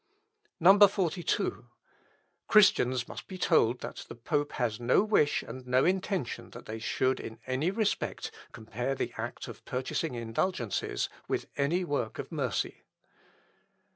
42. "Christians must be told that the pope has no wish and no intention that they should in any respect compare the act of purchasing indulgences with any work of mercy.